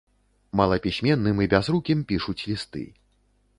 Малапісьменным і бязрукім пішуць лісты.